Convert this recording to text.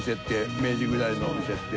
明治くらいのお店って。